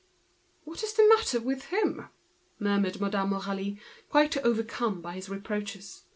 "What is the matter with him?" murmured Madame Aurélie, quite overcome by his reproaches.